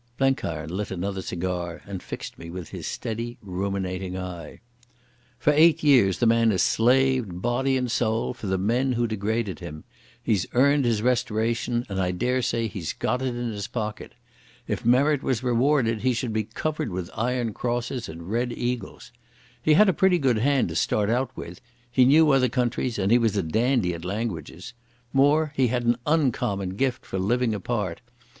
Blenkiron lit another cigar and fixed me with his steady, ruminating eye. "For eight years the man has slaved, body and soul, for the men who degraded him. He's earned his restoration and I daresay he's got it in his pocket. If merit was rewarded he should be covered with Iron Crosses and Red Eagles.... He had a pretty good hand to start out with. He knew other countries and he was a dandy at languages. More, he had an uncommon gift for living a part.